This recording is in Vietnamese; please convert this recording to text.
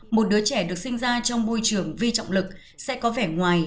một đứa trẻ được sinh ra trong môi trường vi trọng lực sẽ có vẻ ngoài